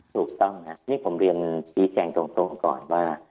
ถูกต้องครับนี่ผมเรียนชี้แจงตรงก่อนว่า